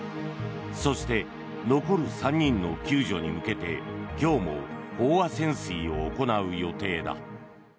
そして、残る３人の救助に向けて今日も飽和潜水を行う予定だ。